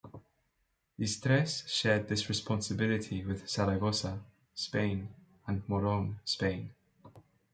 Istres shared this responsibility with Zaragoza, Spain and Moron, Spain.